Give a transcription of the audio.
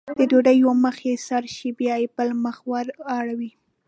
د ډوډۍ یو مخ چې سره شي بیا یې بل مخ ور اړوي.